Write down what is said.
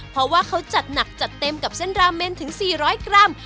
เพราะว่าเขาจัดหนักจัดเต็มกับเส้นราเมนถึง๔๐๐กรัม